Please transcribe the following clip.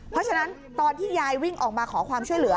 เพราะฉะนั้นตอนที่ยายวิ่งออกมาขอความช่วยเหลือ